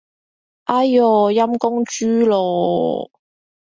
哎唷，陰公豬咯